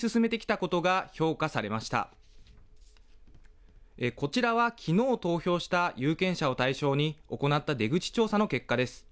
こちらはきのう投票した有権者を対象に行った出口調査の結果です。